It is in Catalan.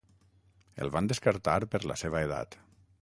El van descartar per la seva edat.